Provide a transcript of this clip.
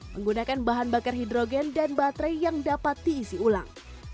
menggunakan bahan bakar hidrogen dan baterai yang dapat diisi ulang